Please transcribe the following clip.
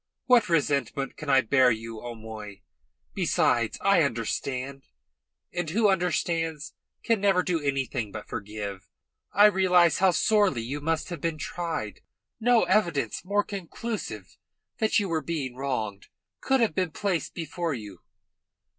"What resentment can I bear you, O'Moy? Besides, I understand, and who understands can never do anything but forgive. I realise how sorely you have been tried. No evidence more conclusive that you were being wronged could have been placed before you."